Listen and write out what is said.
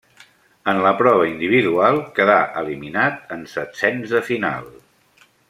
En la prova individual quedà eliminat en setzens de final.